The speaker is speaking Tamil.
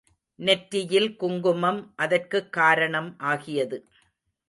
நெற்றியில் குங்குமம் அதற்குக் காரணம் ஆகியது.